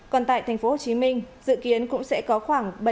còn tại tp hcm dự kiến là các kênh thương mại điện tử và các siêu thị bán lẻ